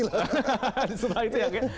setelah itu ya